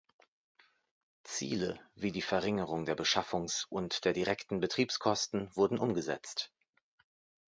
Ziele, wie die Verringerung der Beschaffungs- und der direkten Betriebskosten, wurden umgesetzt.